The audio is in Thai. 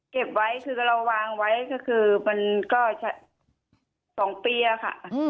เก็บไว้คือเราวางไว้ก็คือมันก็๒ปีอะค่ะ